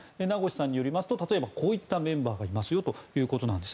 名越さんによりますと例えばこういったメンバーがいますよと。